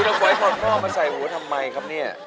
คุณต้องปล่อยขัดหม้อมาใส่หัวทำไมครับเนี่ย